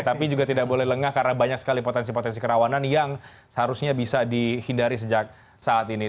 tapi juga tidak boleh lengah karena banyak sekali potensi potensi kerawanan yang seharusnya bisa dihindari sejak saat ini